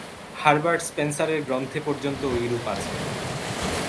Herbert স্পেন্সারের গ্রন্থে পর্যন্ত ঐরূপ আছে।